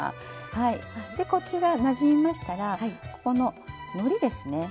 でこちらなじみましたらここののりですね。